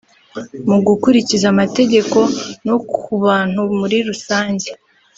mu gukurikiza amategeko no ku bantu muri rusange